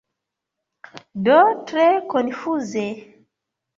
Do tre konfuze.